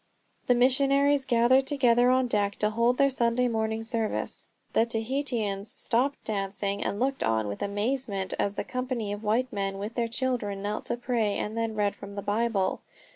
The missionaries gathered together on deck to hold their Sunday morning service. The Tahitians stopped dancing and looked on with amazement, as the company of white men with their children knelt to pray and then read from the Bible.